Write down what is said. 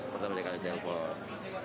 pertama dia kali telepon